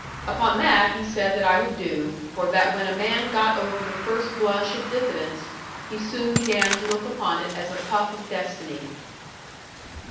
Upon that he said that I would do; for that when a man got over the first blush of diffidence, he soon began to look upon it as a puff of destiny.